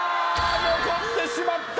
残ってしまった！